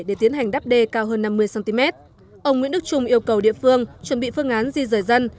để tiến hành đắp đê cao hơn năm mươi cm ông nguyễn đức trung yêu cầu địa phương chuẩn bị phương án di rời dân